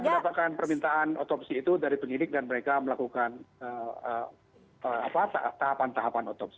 mendapatkan permintaan otopsi itu dari penyidik dan mereka melakukan tahapan tahapan otopsi